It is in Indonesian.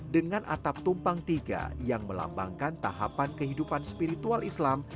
dengan atap tumpang tiga yang melambangkan tahapan kehidupan spiritual islam